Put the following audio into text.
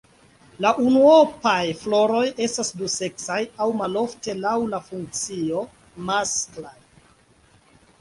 La unuopaj floroj estas duseksaj aŭ malofte laŭ la funkcio masklaj.